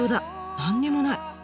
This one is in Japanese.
何にもない！